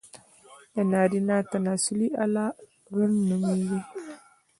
د نارينه تناسلي اله، غيڼ نوميږي.